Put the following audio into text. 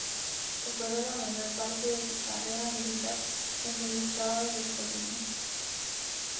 Operó la mayor parte de su carrera militar en el Estado de Colima.